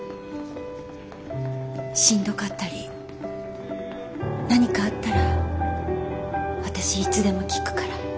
しんどかったり何かあったら私いつでも聞くから。